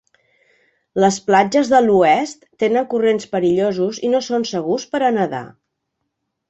Les platges de l'oest tenen corrents perillosos i no són segurs per a nedar.